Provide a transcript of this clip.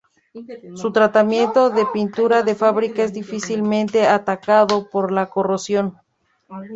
Su tratamiento de pintura de fábrica es difícilmente atacado por la corrosión.